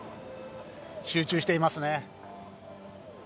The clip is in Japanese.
集中していますね。